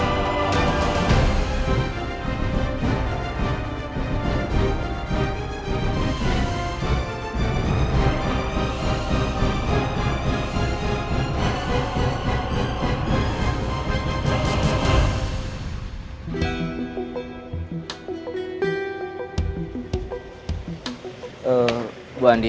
kamu yang sudah mencari kebenaran diri